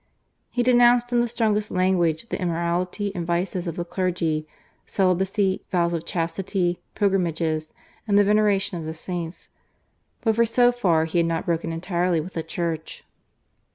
He denounced in the strongest language the immorality and vices of the clergy, celibacy, vows of chastity, pilgrimages and the veneration of the saints, but for so far he had not broken entirely with the Church.